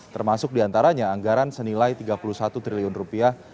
termasuk diantaranya anggaran senilai tiga puluh satu triliun rupiah